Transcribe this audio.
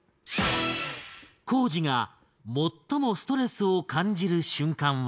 光司が最もストレスを感じる瞬間は？